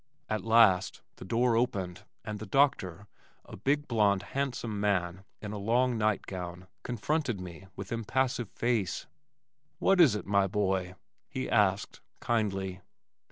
At last the door opened and the doctor, a big blonde handsome man in a long night gown, confronted me with impassive face. "What is it, my boy?" he asked kindly.